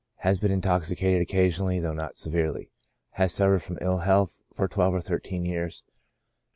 Has been intoxicated occasionally, though not severely; has suffered from ill health for tvi^elve or thirteen years.